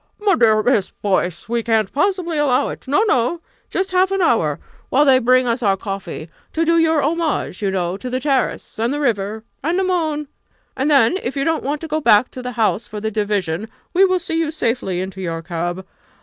"My dear Miss Boyce! we can't possibly allow it no! no just half an hour while they bring us our coffee to do your homage, you know, to the terrace and the river and the moon! And then if you don't want to go back to the House for the division, we will see you safely into your cab.